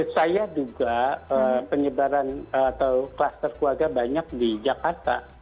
saya duga penyebaran atau kluster keluarga banyak di jakarta